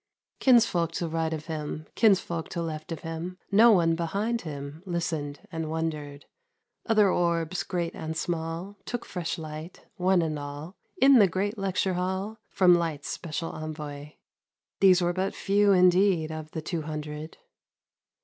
Kinsfolk to right of him, Kinsfolk to left of him. No one behind him Listened and wondered. Other orbs, great and small, Took fresh light, one and all, In the great lecture hall From Light's special envoy. These were but few, indeed. Of the two hundred.